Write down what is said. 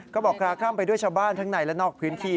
ก็บอกคลาคล่ำไปด้วยชาวบ้านทั้งในและนอกพื้นที่